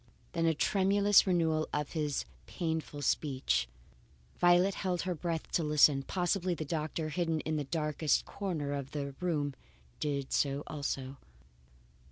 Then a tremulous renewal of his painful speech. Violet held her breath to listen. Possibly the doctor, hidden in the darkest corner of the room, did so also.